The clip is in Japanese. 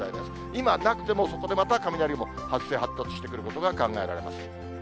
今、なくてもそこでまた雷雲、発生、発達してくることが考えられます。